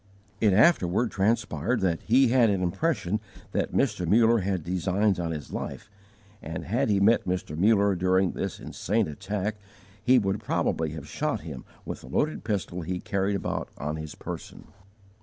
It afterward transpired that he had an impression that Mr. Muller had designs on his life, and had he met Mr. Muller during this insane attack he would probably have shot him with the loaded pistol he carried about on his person.